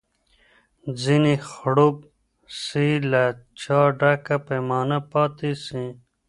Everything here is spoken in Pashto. ځیني خړوب سي له چا ډکه پیمانه پاته سي